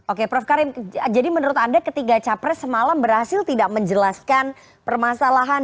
oke prof karim jadi menurut anda ketiga capres semalam berhasil tidak menjelaskan permasalahan